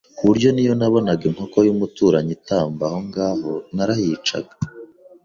ku buryo n’iyo nabonaga inkoko y’umuturanyi itamba ahongaho narayicaga